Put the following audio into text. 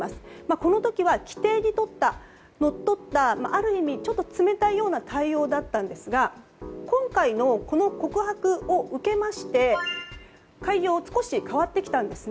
この時は、規定にのっとったある意味、ちょっと冷たいような対応だったんですが今回の告白を受けまして対応が少し変わってきたんです。